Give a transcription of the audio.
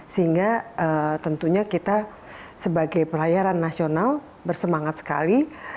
sehingga tentunya kita sebagai pelayaran nasional bersemangat sekali